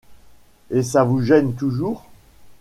Et ça vous gêne toujours ?